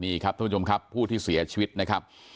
นี่ครับท่านผู้ชมครับผู้ที่เสียชีวิตนะครับ